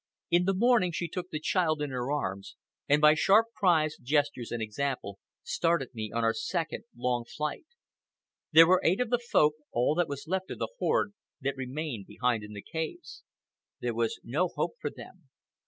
In the morning she took the child in her arms, and by sharp cries, gestures, and example, started me on our second long flight. There were eight of the Folk (all that was left of the horde) that remained behind in the caves. There was no hope for them.